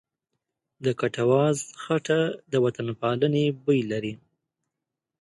د کټواز خټه د وطنپالنې بوی لري.